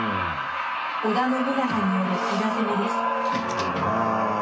織田信長による伊賀攻めです」。